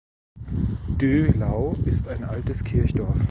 Döhlau ist ein altes Kirchdorf.